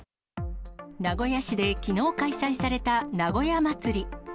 名古屋市できのう開催された名古屋まつり。